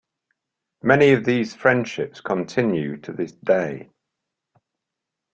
Many of these friendships continue to this day.